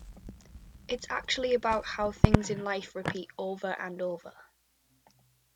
It's actually about how things in life repeat over and over.